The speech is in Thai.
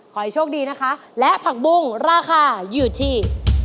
ขอให้โชคดีนะคะและผักบุ้งราคาอยู่ที่